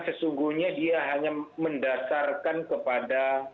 sesungguhnya dia hanya mendasarkan kepada